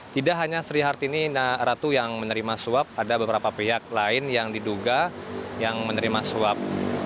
tidak hanya sri hartini ratu yang menerima suap ada beberapa pihak lain yang diduga yang menerima suap